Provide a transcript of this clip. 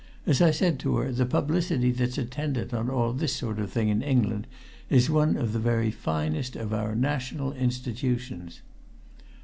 As I said to her, the publicity that's attendant on all this sort of thing in England is one of the very finest of our national institutions.